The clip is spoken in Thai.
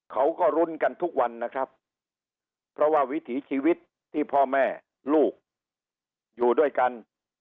เขาก็รุ้นกันทุกวันนะครับเพราะว่าวิถีชีวิตที่พ่อแม่ลูกอยู่ด้วยกัน